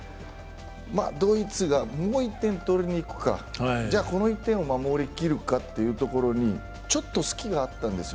ドイツがも１点取りにいくか、じゃこの１点を守りきるかということにちょっと隙があったんです。